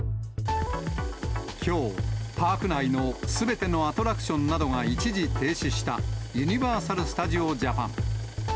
きょう、パーク内のすべてのアトラクションなどが一時停止した、ユニバーサル・スタジオ・ジャパン。